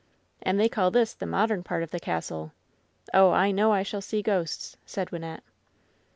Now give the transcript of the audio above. "And they call this the modem part of the castle! Oh, I know I shall see ghosts !'' said Wynnette.